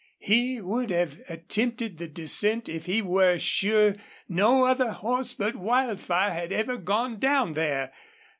He would have attempted the descent if he were sure no other horse but Wildfire had ever gone down there.